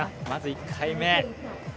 まず１回目。